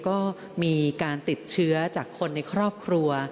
ก็มีการติดเชื้อจากคนในครอบครัว